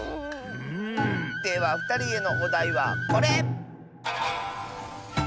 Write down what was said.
ではふたりへのおだいはこれ！